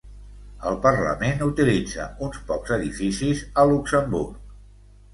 El Parlament utilitza uns pocs edificis a Luxemburg.